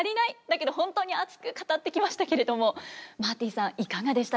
だけど本当に熱く語ってきましたけれどもマーティさんいかがでしたでしょうか？